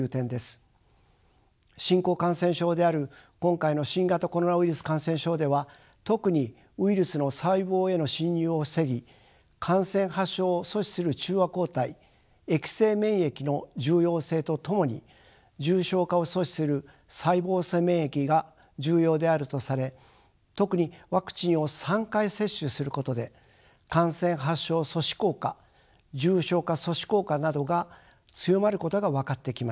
新興感染症である今回の新型コロナウイルス感染症では特にウイルスの細胞への侵入を防ぎ感染発症を阻止する中和抗体液性免疫の重要性とともに重症化を阻止する細胞性免疫が重要であるとされ特にワクチンを３回接種することで感染発症阻止効果重症化阻止効果などが強まることが分かってきました。